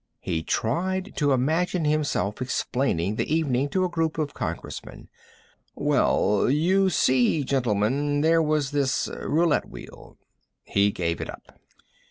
He tried to imagine himself explaining the evening to a group of congressmen. "Well, you see, gentlemen, there was this roulette wheel " He gave it up.